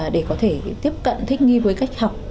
để có thể tiếp cận thích nghi với cách học